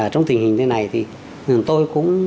trong tình hình thế này thì tôi cũng